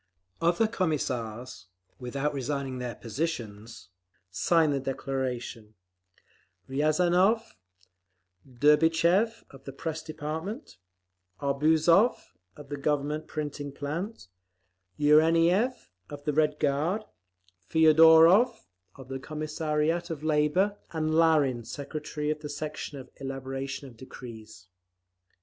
Other Commissars, without resigning their positions, signed the declaration—Riazanov, Derbychev of the Press Department, Arbuzov, of the Government Printing plant, Yureniev, of the Red Guard, Feodorov, of the Commissariat of Labour, and Larin, secretary of the Section of Elaboration of Decrees.